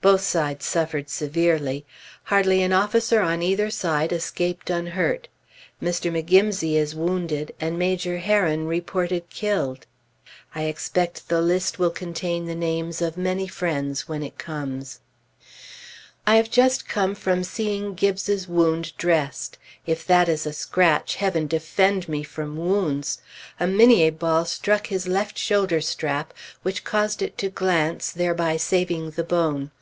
Both sides suffered severely. Hardly an officer on either side escaped unhurt. Mr. McGimsey is wounded, and Major Herron reported killed. I expect the list will contain the names of many friends when it comes. I have just come from seeing Gibbes's wound dressed. If that is a scratch, Heaven defend me from wounds! A minié ball struck his left shoulder strap, which caused it to glance, thereby saving the bone.